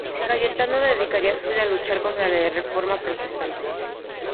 Cayetano dedicaría su vida a luchar contra la Reforma protestante.